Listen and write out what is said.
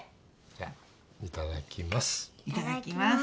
じゃいただきます